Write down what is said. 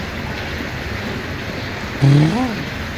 請問呢個崗位係喺團隊中邊一個位置?